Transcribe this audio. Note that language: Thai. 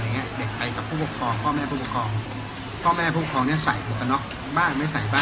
ในคืนที่หลบยังอาจจะตาย